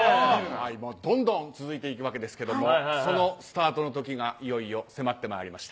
どんどん続いていくわけですがそのスタートの時がいよいよ迫ってまいりました。